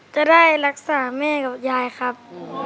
จะได้รักษาแม่กับยายครับ